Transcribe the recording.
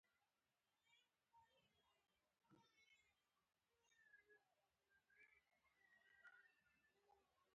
بدرنګه نیت نېک بختي له منځه وړي